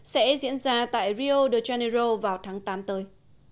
sẽ diễn ra tại rio de janeiro vào tháng tám tới